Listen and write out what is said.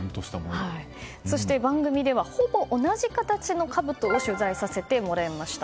そして番組ではほぼ同じ形のかぶとを取材させてもらえました。